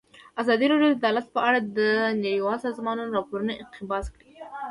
ازادي راډیو د عدالت په اړه د نړیوالو سازمانونو راپورونه اقتباس کړي.